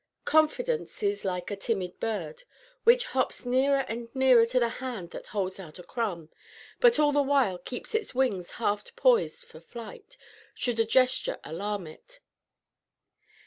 Confidence is like a timid bird, which hops nearer and nearer to the hand that holds out a crumb, but all the while keeps its wings half poised for flight, should a gesture alarm it.